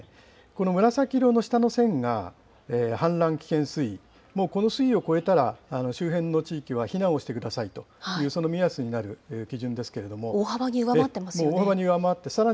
この紫色の下の線が氾濫危険水位、もうこの水位を超えたら周辺の地域は避難をしてくださいという目大幅に上回ってますね。